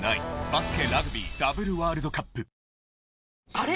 あれ？